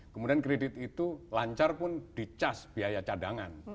kemudian kredit itu lancar pun di cas biaya cadangan